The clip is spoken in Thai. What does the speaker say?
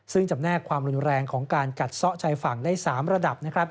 ซึ่งจำแนกความรุนแรงของการกัดซ่อชายฝั่งได้๓ระดับ